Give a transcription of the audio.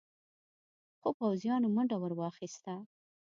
څو پوځيانو منډه ور واخيسته.